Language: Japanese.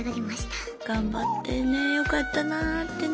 頑張ったよねよかったなってね。